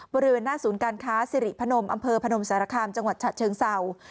บริเวณหน้าศูนย์การค้าสิริพนมอำเภอพนมสารคามจังหวัดฉะเชิงเศร้า